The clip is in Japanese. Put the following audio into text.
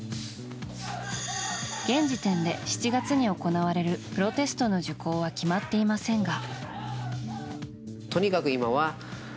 現時点で７月に行われるプロテストの受講は決まっていませんが。